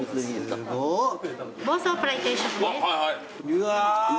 うわ！